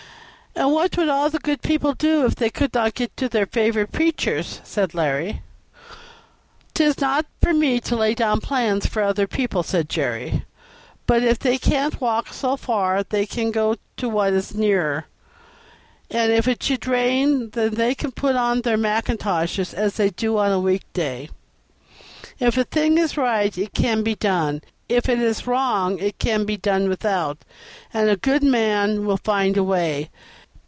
"And what would all the good people do if they could not get to their favorite preachers?" said Larry. "'Tis not for me to lay down plans for other people," said Jerry, "but if they can't walk so far they can go to what is nearer; and if it should rain they can put on their mackintoshes as they do on a week day. If a thing is right it can be done, and if it is wrong it can be done without; and a good man will find a way.